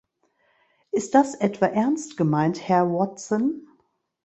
Ist das etwa ernst gemeint, Herr Watson?